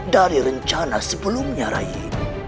dari rencana sebelumnya rai